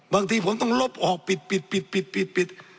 บางทีผมต้องลบออกปิดปิด